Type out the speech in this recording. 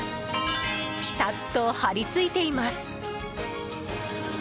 ピタッと張り付いています。